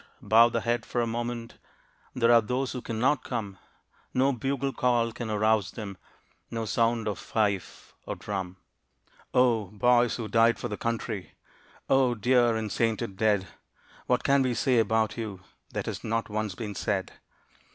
bow the head for a moment There are those who cannot come. No bugle call can arouse them No sound of fife or drum. Oh, boys who died for the country, Oh, dear and sainted dead! What can we say about you That has not once been said?